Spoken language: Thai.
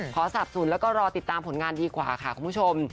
สนับสนแล้วก็รอติดตามผลงานดีกว่าค่ะคุณผู้ชม